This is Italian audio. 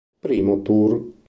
Primo tour...